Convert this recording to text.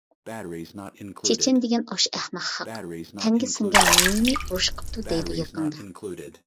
-چېچەن دېگەن ئاشۇ ئەخمەق خەق، تەنگە سىڭگەن نېنىنى يېمەي ئۇرۇش قىپتۇ دەيدۇ يېقىندا.